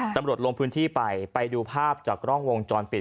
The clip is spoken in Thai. ลงพื้นที่ไปไปดูภาพจากกล้องวงจรปิด